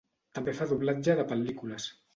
També fa doblatge de pel·lícules.